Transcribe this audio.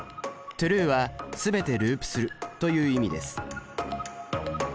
「ｔｒｕｅ」は全てループするという意味です。